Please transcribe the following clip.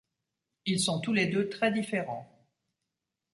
Ils sont tous les deux très différents.